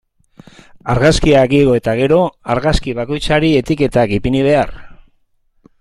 Argazkiak igo eta gero, argazki bakoitzari etiketak ipini behar.